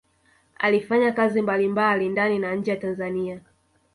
Alifanya kazi mbalimbali ndani na nje ya Tanzania